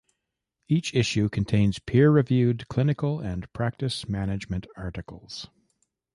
Each issue contains peer-reviewed clinical and practice management articles.